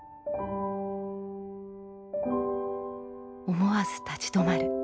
「思わず立ち止まる。